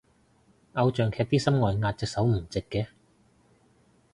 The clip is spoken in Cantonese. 偶像劇啲心外壓隻手唔直嘅